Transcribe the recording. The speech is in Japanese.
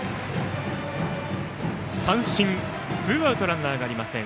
三振、ツーアウトランナーがありません。